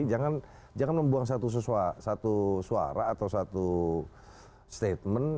jangan membuang satu suara atau satu statement